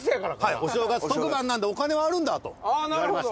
「お正月特番なんでお金はあるんだ」と言われました。